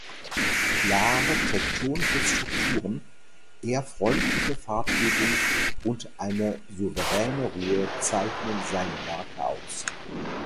Klare „tektonische“ Strukturen, eher freundliche Farbgebung und eine souveräne Ruhe zeichnen seine Werke aus.